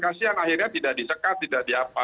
kasian akhirnya tidak disekat tidak diapa